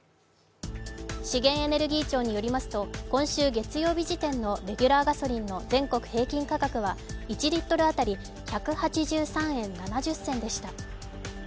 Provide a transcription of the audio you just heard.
資源エネルギー庁によりますと今週月曜日時点のレギュラーガソリンの全国平均価格は１リットル当たり１８３円７０銭でした。